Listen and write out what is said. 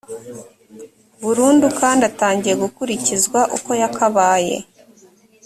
burundu kandi atangiye gukurikizwa uko yakabaye